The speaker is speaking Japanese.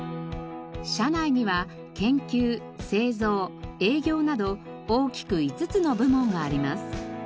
社内には研究製造営業など大きく５つの部門があります。